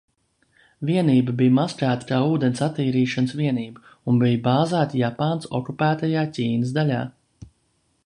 Vienība bija maskēta kā ūdens attīrīšanas vienība un bija bāzēta Japānas okupētajā Ķīnas daļā.